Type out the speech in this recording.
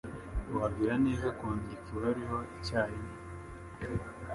wagira neza kwandika ibaruwa icyarimwe.